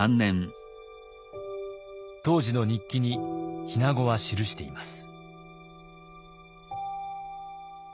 当時の日記に日名子は記しています。